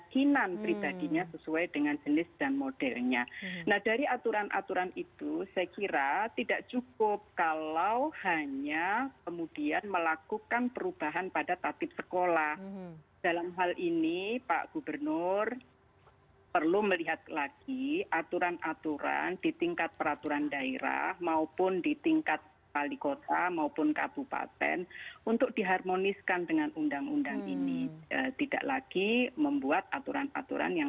di pasal dua puluh delapan g ayat satu itu menyebutkan bahwa setiap orang berhak atas kebebasan meyakini kepercayaan menyatakan pikiran dan sikap sesuai dengan hati nurannya